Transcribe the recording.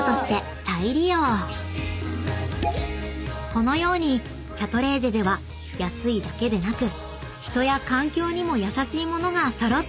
［このようにシャトレーゼでは安いだけでなく人や環境にも優しいものが揃っているんです］